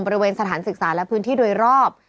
บริเวณสถานศึกษาและพื้นที่โดยรอบ